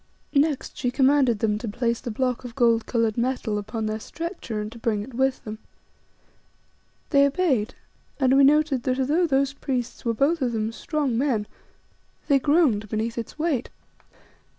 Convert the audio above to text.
Next she commanded them to place the block of gold coloured metal upon their stretcher and to bring it with them. They obeyed, and we noted that, although those priests were both of them strong men they groaned beneath its weight.